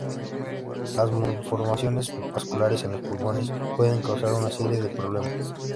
Las malformaciones vasculares en los pulmones pueden causar una serie de problemas.